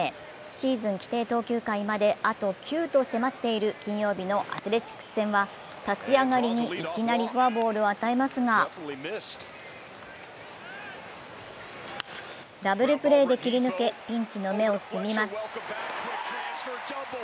シーズン規定投球回まであと９と迫っている金曜日のアスレチックス戦は立ち上がりにいきなりフォアボールを与えますがダブルプレーで切り抜け、ピンチの芽を摘みます。